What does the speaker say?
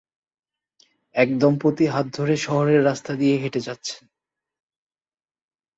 এক দম্পতি হাত ধরে শহরের রাস্তা দিয়ে হেঁটে যাচ্ছে।